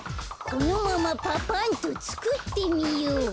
このままパパンとつくってみよう。